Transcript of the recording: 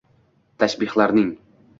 Tashbihlarning